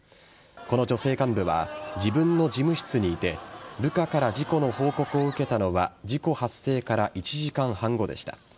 この女性幹部は自分の事務室にいて部下から事故の報告を受けたのは事故発生から１時間半後でした。